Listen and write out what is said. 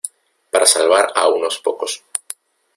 para salvar a unos pocos.